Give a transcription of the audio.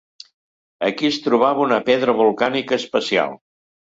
Aquí es trobava una pedra volcànica especial.